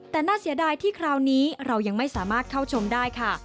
แต่น่าเสียดายที่คราวนี้เรายังไม่สามารถเข้าชมได้ค่ะ